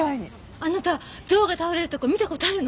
あなたゾウが倒れるところ見た事あるの？